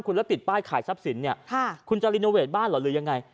คุณแล้วติดป้ายขายทรัพย์สินเนี่ยคุณจะรีโนเวทบ้านเหรอหรือยังไง